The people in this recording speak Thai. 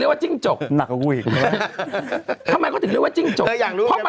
เราตอบกับคุณได้ไหมตอบกับคุณเลยนะ